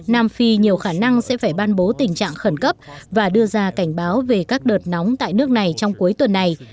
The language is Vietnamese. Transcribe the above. nam phi nhiều khả năng sẽ phải ban bố tình trạng khẩn cấp và đưa ra cảnh báo về các đợt nóng tại nước này trong cuối tuần này